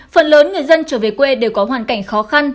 phần lớn người dân trở về quê đều có hoàn cảnh khó khăn